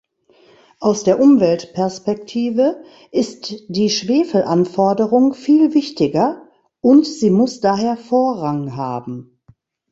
Aus der Umweltperspektive ist die Schwefelanforderung viel wichtiger, und sie muss daher Vorrang haben.